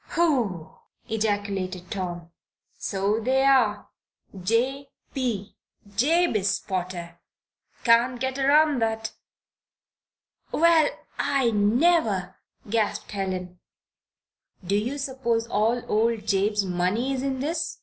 "Whew!" ejaculated Tom. "So they are. 'J. P. Jabez Potter.' Can't get around that." "Well, I never!" gasped Helen. "Do you suppose all old Jabe's money is in this?"